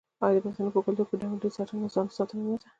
آیا د پښتنو په کلتور کې د ګاونډي ساتنه د ځان ساتنه نه ده؟